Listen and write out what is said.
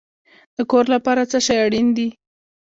د کور لپاره څه شی اړین دی؟